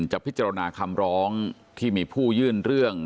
จะพิจารณาคำร้องที่มีผู้ยื่นเรื่อง